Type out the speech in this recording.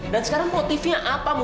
dan sekarang motifnya apa mu